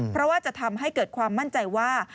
เพราะว่าจะทำให้เกิดความมั่นใจว่า